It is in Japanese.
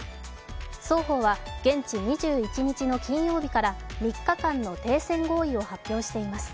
双方は現地２１日の金曜日から３日間の停戦合意を発表しています